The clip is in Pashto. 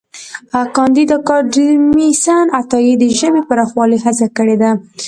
کانديد اکاډميسن عطايي د ژبې د پراخولو هڅه کړې ده.